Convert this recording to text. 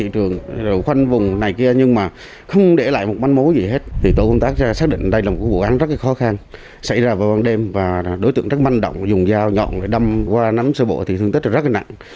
tổ quân tác xác định đây là một vụ án rất khó khăn xảy ra vào ban đêm và đối tượng rất manh động dùng dao nhọn đâm qua nắm sơ bộ thì thương tích rất nặng